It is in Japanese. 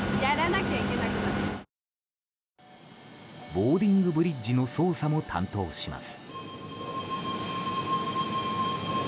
ボーディングブリッジの操作も担当します。